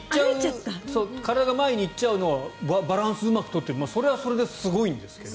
体が前に行っちゃうのをバランスをうまく取ってそれはそれですごいんですけど。